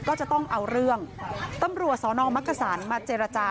ก็จะต้องเอาเรื่องตำรวจสนมักกษันมาเจรจา